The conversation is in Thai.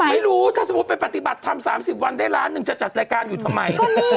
ไม่รู้ถ้าสมมุติไปปฏิบัติทำ๓๐วันได้ล้านหนึ่งจะจัดรายการอยู่ทำไม